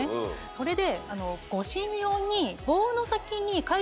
それで？